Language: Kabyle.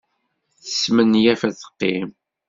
Tesmenyaf ad teqqim.